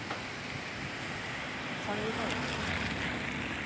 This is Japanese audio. しゃべりたい？